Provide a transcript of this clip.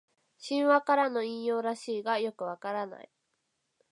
神話からの引用らしいがよくわからない